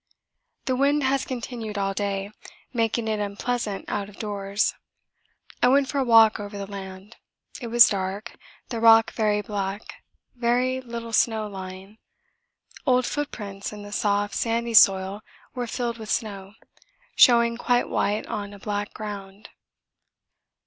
The wind has continued all day, making it unpleasant out of doors. I went for a walk over the land; it was dark, the rock very black, very little snow lying; old footprints in the soft, sandy soil were filled with snow, showing quite white on a black ground.